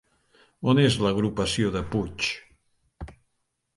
On és l'agrupació de Puig?